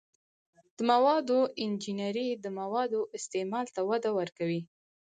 د موادو انجنیری د موادو استعمال ته وده ورکوي.